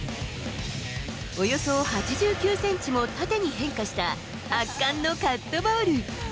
およそ８９センチも縦に変化した、圧巻のカットボール。